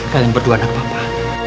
kalian berdua anak papa